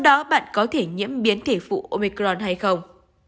đó bạn có thể nhiễm biến thể phụ omicron hay không